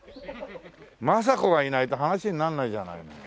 政子がいないと話にならないじゃないのよ。